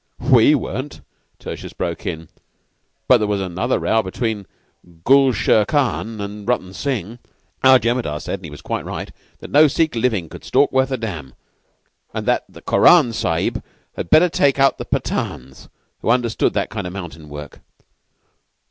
"We weren't," Tertius broke in, "but there was another row between Gul Sher Khan and Rutton Singh. Our Jemadar said he was quite right that no Sikh living could stalk worth a damn; and that Koran Sahib had better take out the Pathans, who understood that kind of mountain work.